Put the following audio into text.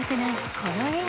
この笑顔。